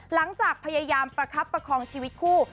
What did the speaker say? หลังจากพยายามประคับประคองชีวิตคู่